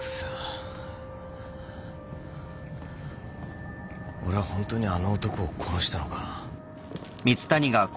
俺はホントにあの男を殺したのか？